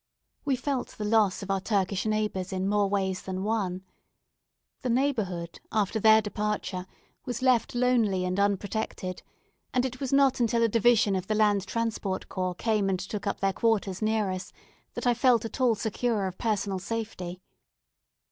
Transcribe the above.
We felt the loss of our Turkish neighbours in more ways than one. The neighbourhood, after their departure, was left lonely and unprotected, and it was not until a division of the Land Transport Corps came and took up their quarters near us, that I felt at all secure of personal safety.